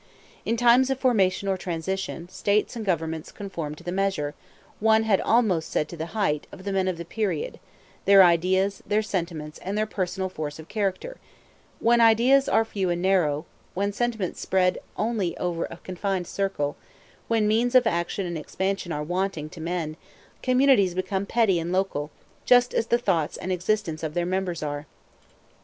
In times of formation or transition, states and governments conform to the measure, one had almost said to the height, of the men of the period, their ideas, their sentiments, and their personal force of character; when ideas are few and narrow, when sentiments spread only over a confined circle, when means of action and expansion are wanting to men, communities become petty and local, just as the thoughts and existence of their members are.